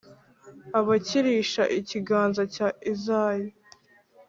abakirisha ikiganza cya Izayi.